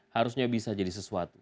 harusnya bisa jadi sesuatu